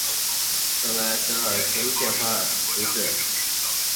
圣阿勒邦德罗什人口变化图示